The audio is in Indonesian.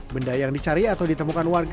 benda yang dicari atau ditemukan warga